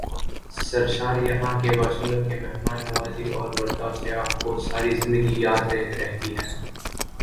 سرشاریہاں کے باشندوں کی مہمان نوازی اور برتائو سیاح کو ساری زندگی یاد رہتی ہیں ۔